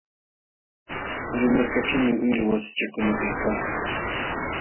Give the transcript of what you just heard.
Qurimarkaćhuumi uylu wasichakuna kaykalkan.